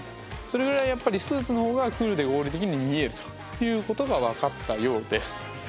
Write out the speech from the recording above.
それぐらいやっぱりスーツのほうがクールで合理的に見えるということが分かったようです。